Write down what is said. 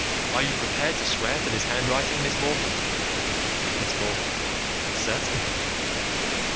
Are you prepared to swear to this handwriting, Miss Morton? Miss Morton: Certainly.